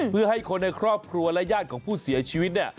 เพื่อให้คนในครอบครัวและญาติของผู้เสียชีวิตเนี่ย